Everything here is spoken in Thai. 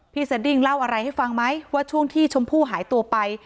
สดิ้งเล่าอะไรให้ฟังไหมว่าช่วงที่ชมพู่หายตัวไป